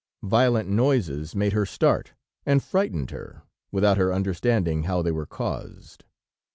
Violent noises made her start and frightened her, without her understanding how they were caused.